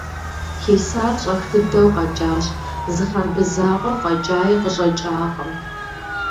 Хисар щӀэх дыдэу къэкӀащ, зы хъэрбыз закъуэ фӀэкӀаи къыщӀэкӀакъым.